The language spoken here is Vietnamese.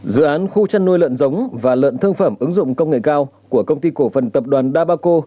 dự án khu chăn nuôi lợn giống và lợn thương phẩm ứng dụng công nghệ cao của công ty cổ phần tập đoàn dabaco